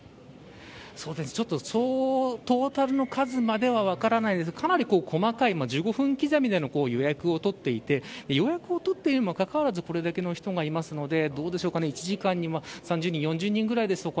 トータルの数までは分からないですがかなり細かい１５分刻みでの予約を取っていて予約を取っているにもかかわらずこれだけの人がいますので１時間に３０人から４０人ぐらいでしょうか。